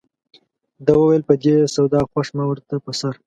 ده وویل په دې سودا خوښ ما ورته په سر.